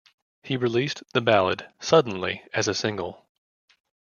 He released the ballad, "Suddenly" as a single.